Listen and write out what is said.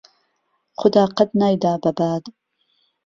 خودا قهت نایدا به باد